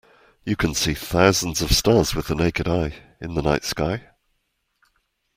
You can see thousands of stars with the naked eye in the night sky?